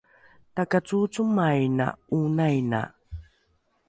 takacoocomaina ’oonaina